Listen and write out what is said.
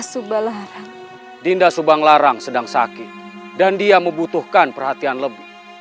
subalarang dinda subang larang sedang sakit dan dia membutuhkan perhatian lebih